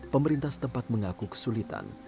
pemerintah setempat mengaku kesulitan